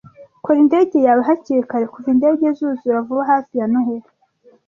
Kora indege yawe hakiri kare kuva indege zuzura vuba hafi ya Noheri.